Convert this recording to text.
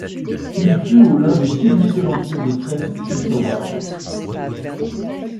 Il fut au l'un des piliers de l'Empire de presse Scripps-Howard.